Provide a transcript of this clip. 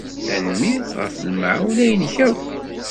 Tanemmirt ɣef lemɛawna-inek akk.